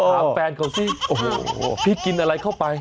แฟนเขาสิโอ้โหพี่กินอะไรเข้าไป